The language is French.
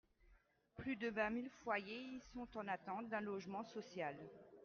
Plus de vingt mille foyers y sont en attente d’un logement social.